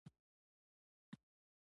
دروغ د باور د وژنې سبب کېږي.